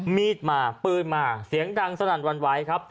มีดมาปืนมาเสียงดังสนั่นวันไหวครับ